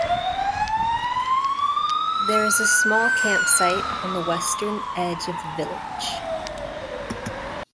There is a small campsite on the western edge of the village.